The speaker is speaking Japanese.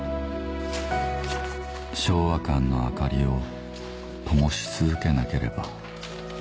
「昭和館の明かりをともし続けなければ」